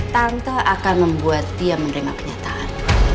tanpa akan membuat dia menerima kenyataan